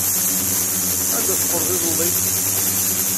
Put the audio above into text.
Anda teqqleḍ iḍelli?